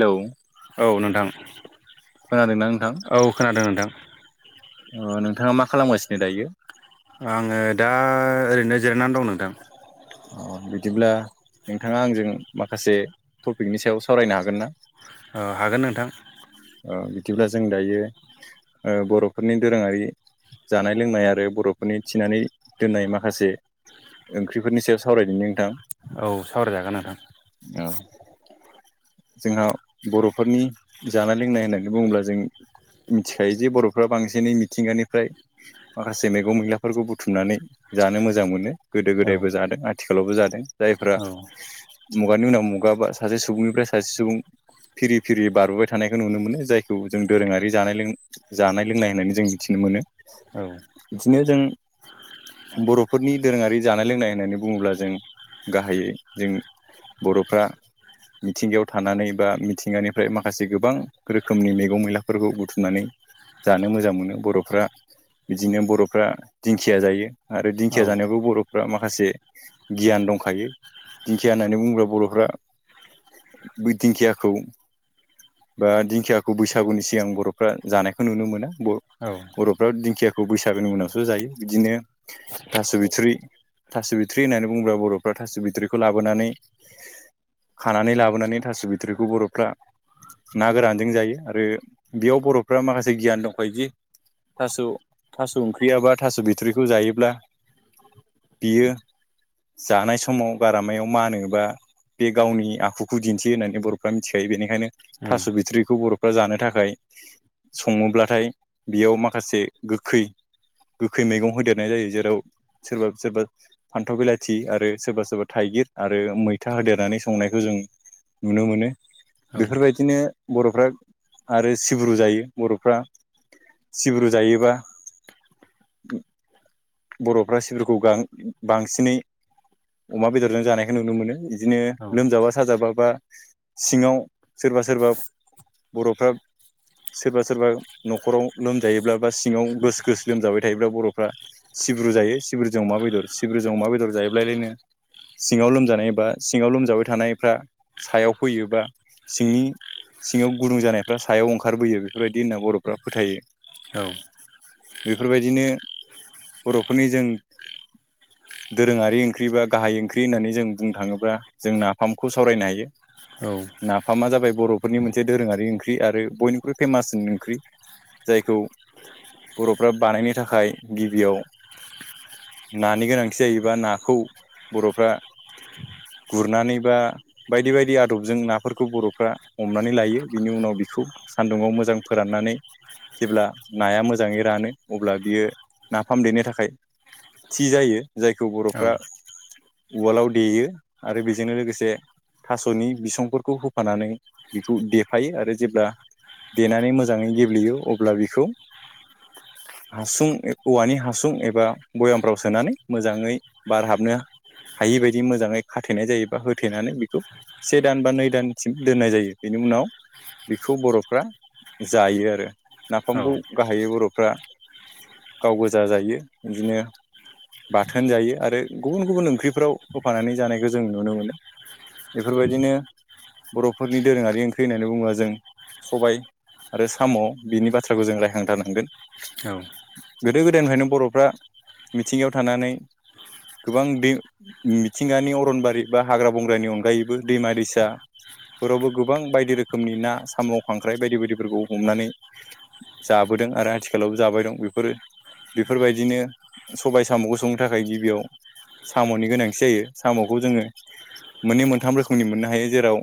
Hello औ नोंथां खोनादोंना नोंथां औ खोनादों नोंथां नोंथाङा मा खालामगासिनो दायो आङो दा ओरैनो जिरायनानै दं नोंदां अ बिदिब्ला नोंथाङा आंजों माखासे टपिकनि सायाव सावरायनो हागोन ना अ हागोन नोंथां बिदिब्ला जों दायो बर'फोरनि दोरोङारि जानाय लोंनाय आरो बर'फोरनि थिनानै दोननाय माखासे ओंख्रिफोरनि सायाव सावरायदोंनि नोंथां औ सावरायजागोन नोंथां औ जोंहा बर'फोरनि जानाय - लोंनाय होननानै बुङोब्ला जों मिथिखायो जे बर'फ्रा बांसिनै मिथिंगानिफ्राय माखासे मैगं मैलाफोरखौ बुथुमनानै जानो मोजां मोनो गोदो औ गोदायबो जादों आथिखालावबो जादों जायफ्रा औ मुगानि उनाव मुगा सासे सुबुंनिफ्राय सासे सुबुं फिरि- फिरि बारबोबाय थानायखौ नुनो मोनो जायखौ जों दोरोङारि जानाय लों जानाय लोंनाय होननानै जों मिथिनो मोनो औ बिदिनो जों बर'फोरनि दोरोङारि जानाय - लोंनाय होननानै बुङोब्ला जों गाहायै जों बर'फ्रा मिथिंगायाव थानानै बा मिथिंगानिफ्राय माखासे गोबां रोखोमनि मैगं- मैलाफोरखौ बुथुमनानै जानो मोजां मोनो बर'फ्रा बिदिनो बर'फ्रा दिंखिया जायो आरो औ दिंखिया जानायावबो बर'फ फोरा माखासे गियान दंखायो दिंखिया होननानै बुङोब्ला बर'फ्रा बै दिंखियाखौ बा दिंखियाखौ बैसागुनि सिगां बर'फ्रा जानायखौ नुनो मोना औ बर'फ्रा दिंखियाखौ बैसागोनि उनावसो जायो बिदिनो थास' बिथ्रि थास' बिथ्रि होननानै बुङोब्ला बर'फ्रा थास' बिथ्रिखौ लाबोनानै खानानै लाबोनानै थास' बिथ्रिखौ बर'फ्रा ना गोरानजों जायो आरो बेयाव बर'फ्रा माखासे गियान दंखायोदि थास' थास' ओंख्रियाबा थास' बिथ्रिखौ जायोब्ला बियो जानाय समाव गारामायाव मानोबा बे गावनि आखु खु दिन्थियो होननानै बर'फ्रा मिथिखायो बेनिखायनो थास' बिथ्रिखौ बर'फ्रा जानो थाखाय सङोब्लाथाय बेयाव माखासे गोखै गोखै मैगं होदेरनाय जायो जेराव सोरबा सोरबा फान्थाव बिलाथि आरो सोरबा सोरबा थाइगिर आरो मैथा होदेरनानै संनायखौ जों नुनो मोनो बेफोरबायदिनो बर'फ्रा आरो सिब्रु जायो बर'फ्रा सिब्रु जायोबा बर'फ्रा सिब्रुखौ गां बांसिनै अमा बेदरजों जानायखौ नुनो मोनो बिदिनो लोमजाबा साजाबा बा सिङाव सोरबा सोरबा बर'फ्रा सोरबा सोरबा न'खराव लोमजायोब्ला बा सिङाव गोस गोस लोमजाबाय थायोब्लाा बर'फ्रा सिब्रु जायो सिब्रु जों अमा बेदर सिब्रुजों अमा बेदर जायोब्लालायनो सिङाव लोमजानाय बा सिङाव लोमजाबाय थानायफ्रा सायाव फैयो बा सिंनि सिङाव गुदुं जानायफ्रा सायाव ओंखारबोयो बेफोरबायदि होनना बर'फ्रा फोथायो औ बेफोरबायदिनो बर'फोरनि जों दोरोङारि ओंख्रि बा गाहाय ओंख्रि होननानै जों बुंनो थाङोब्ला जों नाफामखौ सावरायनो हायो औ नाफामा जाबाय बर'फोरनि मोनसे दोरोङारि ओंख्रि आरो बयनिख्रुइ फेमास ओंख्रि जायखौ बर'फ्रा बानायनो थाखाय गिबियाव नानि गोनांथि जायोबा नाखौ बर'फ्रा गुरनानैबा बायदि बायदि आदबजों नाफोरखौ बर'फ्रा हमनानै लायो बिनि उनाव बिखौ सान्दुङाव मोजां फोराननानै जेब्ला नाया मोजाङै रानो अब्ला बियो नाफाम देनो थाखाय थि जायो जायखौ बर'फ्रा उवालाव देयो आरो बेजोंनो लोगोसे थास'नि बिसंफोरखौ होफानानै बेखौ देफायो आरो जेब्ला देनानै मोजाङै गेब्लेयो अब्ला बेखौ हासुं औवानि हासुं एबा बयामफ्राव सोनानै मोजाङै बार हाबनो हायि बायदि मोजाङै खाथेनाय जायो बा होथेनानै बेखौ से दान बा नै दानसिम दोननाय जायो बेनि उनाव बेखौ बर'फ्रा जायो आरो नाफामखौ गाहायै बर'फ्रा गाव गोजा जायो बिदिनो बाथोन जायो आरो गुबुन गुबुन ओंख्रिफ्राव होफानानै जानायखौ जों नुनो मोनो बेफोरबायदिनो बर'फोरनि दोरोङारि ओंख्रि होननानै बुङोबा जों सबाय आरो साम' बिनि बाथ्राखौ जों रायखांथारनांगोन औ गोदो गोदायनिफ्रायनो बर'फ्रा मिथिंगायाव थानानै गोबां दै मिथिंगानि अरनबारि बा हाग्रा बंग्रानि अनगायै बो दैमा दैसा, फोरावबो गोबां बायदि रोखोमनि ना साम' खांख्राइ बायदि बायदिफोरखौ हमनानै, जाबोदों आरो आथिखालावबो जाबाय दं बेफोरो, बेफोरबायदिनो सबाय साम'खौ संनो थाखाय गिबियाव, साम'नि गोनांथि जायो साम'खौ जोङो मोननै मोन थाम रोखोमनि मोननो हायो। जेराव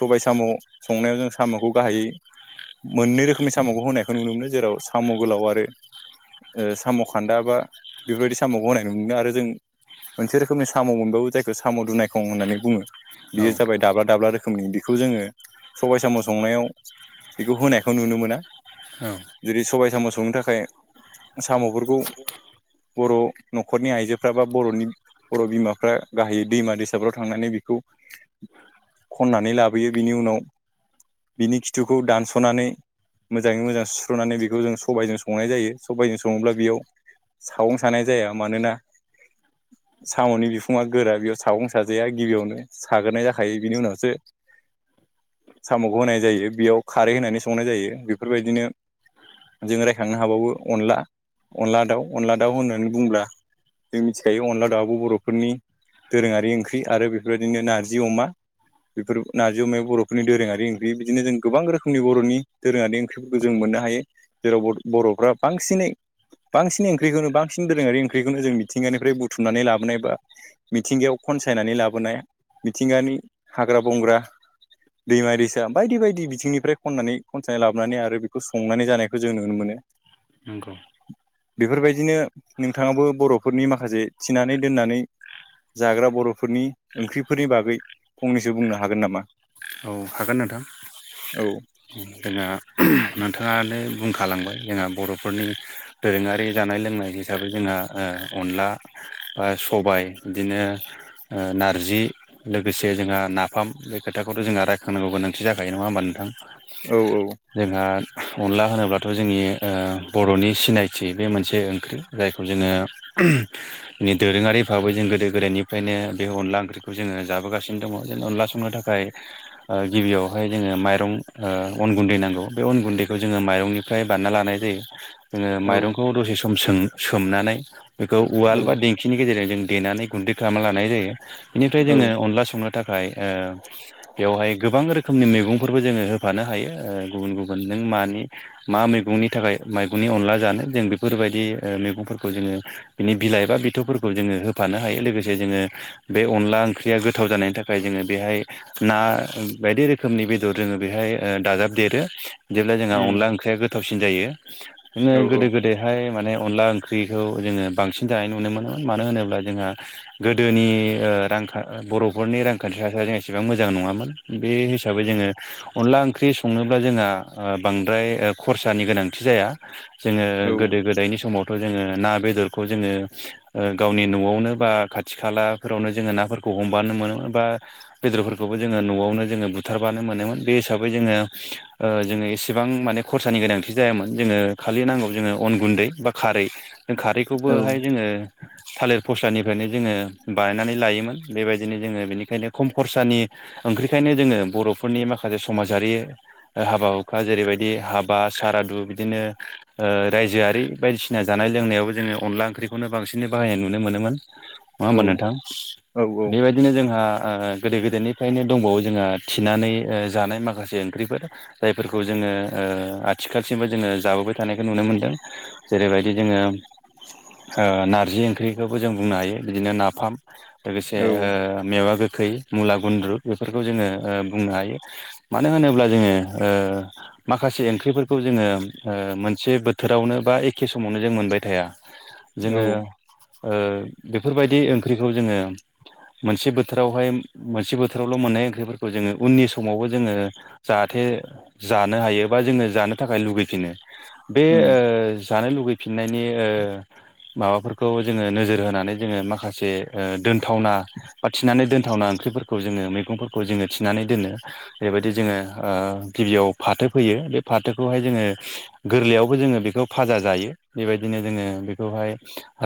सबाय साम' संनायाव जों साम'खौ गाहायै, मोननै रोखोमनि साम'खौ होनायखौ नुनो मोनो जेराव साम' गोलाव आरो साम' खान्दा बा बेफोरबायदि साम'खौ होनाय नुनो मोनो आरो जों मोनसे रोखोमनि साम' मोनबाबो जायखौ साम' दुनायखं होननानै बुङो बेयो औ जाबाय दाब्ला दाब्ला रोख रोखोमनि बेखौ जोङो सबाय साम' संनायाव बेखौ होनायखौ नुनो मोना, औ जुदि सबाय साम' संनो थाखाय साम'फोरखौ, बर' न'खरनि आइजोफ्रा बा बर'नि बर' बिमाफ्रा गाहायै दैमा दैसाफ्राव थांनानै बेखौ, खननानै लाबोयो बिनि उनाव बिनि खिथुखौ दानस'नानै, मोजाङै मोजां सुस्रनानै बेखौ जों सबबायजों संनाय जायो सबायजों सङोब्ला बेयाव, सागं सानाय जाया मानोना, साम'नि बिखुंआ गोरा बेयाव सागं साजाया गिबियावनो साग्रोनाय जाखायो बिनि उनावसो, साम'खौ होनाय जायो बेयाव खारै होनानै संनाय जायो बेफोरबायदिनो जों रायखांनो हाबावो अनला अनला दाउ अनला दाउ होननानै बुंब्ला, जों मिथिखायो अनला दाबो बर'फोरनि दोरोङारि ओंख्रि आरो बे बेफोरबायदिनो नारजि अमा, बेफोर नारजि अमायाव बर'फोरनि दोरोङारि ओंख्रि बिदिनो जों गोबां रोखोमनि बर'नि दोरोङारि ओंख बिखौबो जों मोननो हायो जेराव बर'फ्रा बांसिनै, बांसिन ओंख्रिखौनो बांन दोरोङारि ओंख्रिखौनो जों मिथिंगानिफ्राय बुथुमनानै लाबोनाय बा मिथिंगायाव खनसायनानै लाबोनाया मिथिंगानि हाग्रा बंग्रा, दैमा दैसा बायदि बायदि बिथिंनिफ्राय खननानै खनसायनानै लाबोनानै आरो बेखौ संनानै जानायखौ जों नुनो मोनो, नंगौ बेफोरबायदिनो नोंथाङाबो बर'फोरनि माखासे थिनानै दोननानै, जाग्रा बर'फोरनि ओंख्रिफोरनि बागै फंनैसो बुंनो हागोन नामा? औ हागोन नोंथां। औ जोंहा नोंथाङानो बुंखालांबाय जोंहा बर'फोरनि, दोरोङारि जानाय लोंनाय हिसाबै जोंहा ओ अनला ओ सबाय इदिनो, नारजि लोगोसे जोंहा नाफाम बे खोथा बेखौथ' जोंहां रायखांनांगौ गोनांथि जाखायो नङा होमबा नोंथां, औ औ जोंहा अनला होनोब्लाथ' जोंनि ओ बर'नि सिनायथि बे मोनसे ओंख्रि, जायखौ जोङो, दोरोङारि भाबै जों गोदो गोदायनिफ्रायनो बे अनला ओंख्रिखौ जोङो जाबोगासिनो दङ जों अनला संनो थाखाय, गिबियावहाय जोङो माइरं ओ अन गुन्दै नांगौ बे अन गुन्दैखौ जोङो माइरंनि, फ्राय बान्ना लानाय जायो। जोङो औ माइरंखौ दसे सम सोमनानै बेखौ उवाल औ बा बेखिनि गेजेरजों जों देनानै गुन्दै खालामना लानाय जायो बेनिफ्राय औ जोङो अनला संनो थाखाय ओ, बेवहाय गोबां रोखोमनि मैगंफोरबो जोङो होफानो हायो। गुबुन गुबुन नों मानि मा मैगंनि थाखाय मैगंनि अनला जानो जों बेफोरबायदि मैगंफोरखौ जोङो। बिनि बिलाइ एबा बिथौफोरखौ जोङो होफानो हायो लोगोसे जोङो। बे अनला ओंख्रिया गोथाव जानायनि थाखाय जोङो बेहाय ना बायदि रोखोमनि बेदर जोङो बेहाय दाजाबदेरो जेब्ला जोंहा उम अनला ओंख्रिया गो थावसिन जायो बिदिनो औ गोदो गोदो हाय माने अनला ओंख्रिखौ जोङो बांसिन जानाय नुनो मोनोमोन मानो होनोब्ला जोंहा गोदोनि रां खा बर'फोरनि रांखान्थि थासारिया ए सेबां मोजां नङामोन बे हिसाबै जोङो अनला ओंख्रि सङोब्ला जोंहा बांद्राय खरसानि गोनांथि जाया। जोङो औ गोदो गोदायनि समावथ' जोङो ना बेदरखौ जोङो गावनि न'आवनो बा खाथि खालाफोरावनो जोङो नाफोरखौ हमबानो मोनोमोन बा बेदरफोरखौबो जोङो न'आवनो जोङो बुथारबानो मोनोमोन बे हिसाबै जोङो ओ जोङो इसेबां माने खरसानि गोनांथि जायामोन जोङो खालि नांगौ जोंनो अन गुन्दै बा खारै जों औ खारैखौबोहाय जोङो थालिर फस्लानिफ्रायनो जोङो बानायनानै लायोमोन बेबायदिनो जोङो बेनिखायनो खम खरसानि ओंख्रिखायनो जोङो बर'फोरनि माखासे समाजारि हाबा हुखा जेरैबायदि हाबा सारादु बिदिनो ओ रायजोआरि बायदिसिना जानाय लोंनायावबो जोङो अनला ओंख्रिखौनो बांसिनै बाहायनाय नुनो मोनोमोन द नङा होमबा नोंथां बेबायदिनो जोंहा ओ गोदो गोदोनिफ्रायनो दंबावो जोंहा थिनानै ओ जानाय माखासे ओंख्रिफोर जायफोरखौ जोङो ओ आथिखालसिमबो जोङो जाबोबाय थानायखौ नुनो मोनदों जेरैबायदि जोङो नारजि ओ ओंख्रिखौबो जों बुंनो हायो बिदिनो नाफाम। लोगोसे औ ओ मेवा गोखै मुला गुन्द्रु बेफोरखौ जोङो ओ बुंनो हायो। मानो होनोब्ला जोङो ओ माखासे ओंख्रिफोरखौ जोङो ओ मोनसे बोथोरावनो बा एखे समावनो जों मोनबाय थाया जोङो औ ओ बेफोरबायदि ओंख्रिखौ जोङो मोनसे बोथोरावहाय मोनसे बोथोरावल' मोननाय ओंख्रिफोरखौ जोङो उननि समावबो जोङो जाहाथे जानो हायो बा जोङो जानो थाखाय लुगैफिनो बे उम ओ जानो लुगै फिननायनि ओ माबाफोरखौ जोङो नोजोर होनानै जोङो माखासे ओ दोनथावना बा थिनानै दोनथावना ओंख्रिफोरखौ जोङो मैगंफोरखौ जोङो थिनानै दोनो बेबायदि जोङो ओ गिबियाव फाथो फैयो बे फाथोखौहाय जोङो गोरलैयावबो जोङो बेखौ फाजा जायो बेबायदिनो जोङो बेखौहाय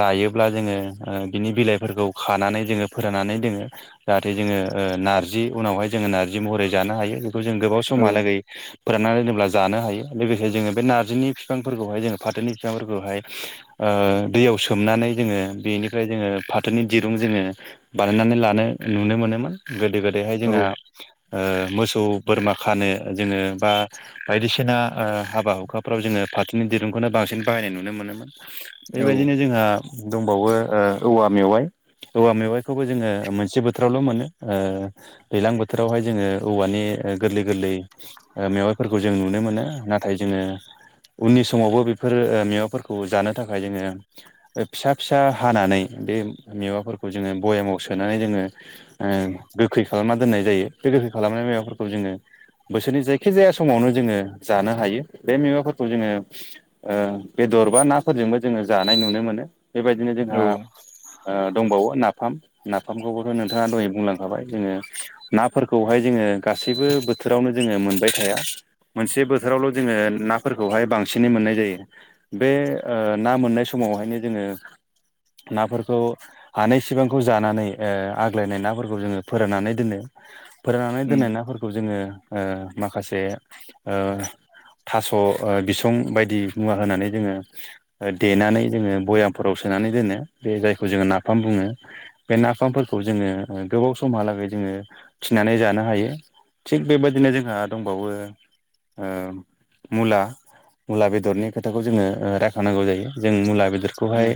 रायोब्ला जोङो ओ बिनि बिलाइफोरखौ खानानै जोङो फोराननानै दोङो। जाहाथे जोङो ओ नारजि उनावहाय जोङो नार्जि महरै जानो हायो बेखौ जों गोबाव औ समहालागै फोरानना दोनोब्ला जानो हायो लोगोसे जोङो बे नारजिनि बिफांफोरखौहाय जोङो फाथोनि बिफांफोरखौहाय ओ दैयाव सोमनानै जोङो बेनिफ्राय जोङो फाथोनि दिरुं जोङो बानायनानै लानो नुनो मोनोमोन गोदो गोदायहाय जोंहा ओ मोसौ बोरमा खानो जोङो बा बायदिसिना ओ हाबा हुखाफ्राव जोङो फाथोनि दिरुंखौनो बांसिन बाहायनाय नुनो मोनोमोन‌। औ बेबायदिनो जोंहा दंबावो ओ औवा मेवाइ औवा मेवाइखौबो जोङो मोनसे बोथ थोरावल' मोनो ओ दैज्लां बोथोरावहाय जोङो औवानि गोरलै गोरलै मेवाइफोरखौ जों नुनो मोनो नाथाय जोङो उननि समावबो बेफोर ओ मेवाफोरखौ जानो थाखाय जोङो फिसा फिसा हानानै बे मेवाफोरखौ जोङो भयामाव सोनानै जोङो ओ गोखै खालामना दोननाय जायो बे गोखै खालामनाय माबाफोरखौ जोङो बोसोरनि जायखि जाया समावनो जोङो जानो हायो बे मेवायफोरखौ जोङो ओ बेदरबा नाफोरजोंबो जोङो जानाय नुनो मोनो। बेबायदिनो जोंहा ओ दंबावो नाफाम नाफामखौबो नोंथाङा दहाय बुंलांखाबाय जोङो नाफोरखौहाय जोङो गासैबो बोथोरावनो जोङो मोनबाय थाया। मोनसे बोथोरावल' जोङो नाफोरखौहाय बांसिनै मोननाय जायो। बे ना मोननाय समावहायनो जोङो नाफोरखौ हानाय सिबांखौ जानानै ओ आग्लायनाय नाफोरखौ जोङो फोराननानै दोनो। फोराननानै उम दोननाय नाफोरखौ जोङो ओ माखासे ओ थास' बिसं बायदि मुवा होनानै जोङो देनानै जोङो भयामफोराव सोनानै दोनो बे जायखौ जोङो नाफाम बुङो। बे नाफामफोरखौ जोङो गोबाव समहालागै जोङो थिनानै जानो हायो। थिग बेबायदिनो जोंहा दंबावो ओ मुला मुला बेदरनि खोथाखौ जोङो रायखां नांगौ जायो जों मुला बे बेदरखौहाय उम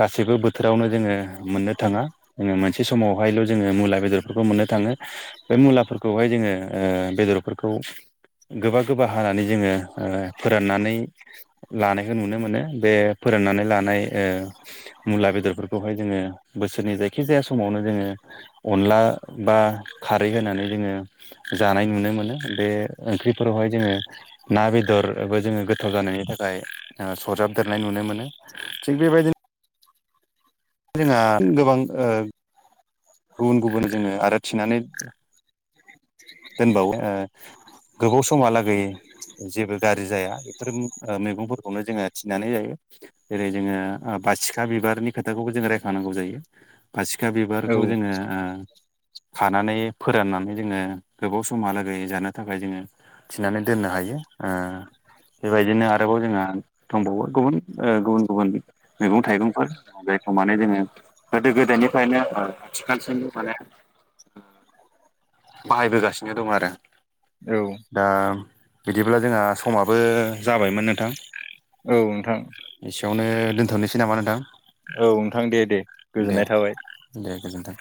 गासिबो बोथोरावनो जोङो मोननो थाङा जोङो मोनसे बे समावहायल' जोङो मुला बेदरफोरखौ मोननो थाङो। बे मुलाफोरखौहाय जोङो ओ बेदरफोरखौ गोबा गोबा हानानै जोङो ओ फोराननानै लानायखौ नुनो मोनो बे फोराननानै लानाय मुला बेदरफोरखौहाय जोङो बोसोरनि जायखि जाया समावनो जोङो। अनला बा खारै होनानै जोङो जानाय नुनो मोनो बे ओंख्रिफोरावहाय जोङो ना बेदरबो जोङो गोथाव जानायनि थाखाय सरजाबदेरनाय नुनो मोनो। थिग बेबायदिनो जोंहा गोबां गुबुन गुबुन जोङो आरो थिनानै दोनबावो ओ गोबाव समहालागै जेबो गाज्रि जाया बेफोर मैगंफोरखौनो जोङो थिनानै जायो। जेरै जोङो बासिखा बिबारनि खोथाखौबो जोंङ रायखानांगौ जायो बासिखा बिबार औ खौ जोङो खानानै फोराननानै जोङो गोबाव समहालागै जानो थाखाय जोङो थिनानै दोननो हायो ‌ओ बेबायदिनो आरोबाव जोंहा दंबावो गुबुन ओ गुबुन गुबुन मैगं थाइगंफोर जायखौ माने जोङो गोदो गोदायनिफ्रायनो थिखानसबो माने बाहायबोगासिनो दं आरो। औ दा बिदिब्ला जोंहा समाबो जाबायमोन नोंथां। औ नोंथां एसेयावनो दोनथ'नोसै नामा नोंथां? औ नोंथां दे दे दे गोजोननाय थाबाय दे गोजोन्थों।